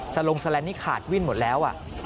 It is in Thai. ลงแสลนด์นี่ขาดวิ่นหมดแล้ว